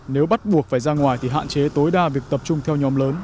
nếu bắt buộc phải ra ngoài thì hạn chế tối đa việc tập trung theo nhóm lớn